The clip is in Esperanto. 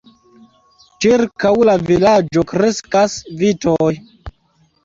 Ĉirkaŭ la vilaĝo kreskas vitoj.